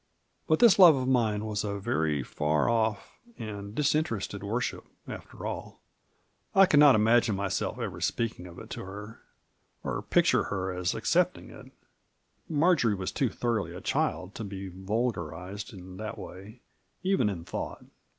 But this love of mine was a very far off and dis interested worship, after all. I could not imagine myself ever speaking of it to her, or picture her as accepting it. Marjory was too thorough a child to be vulgarized in that way, even in thought.